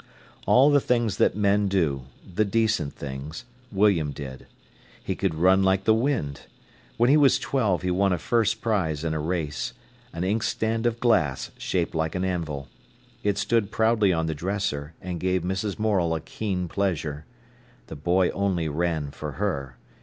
All the things that men do—the decent things—William did. He could run like the wind. When he was twelve he won a first prize in a race; an inkstand of glass, shaped like an anvil. It stood proudly on the dresser, and gave Mrs. Morel a keen pleasure. The boy only ran for her.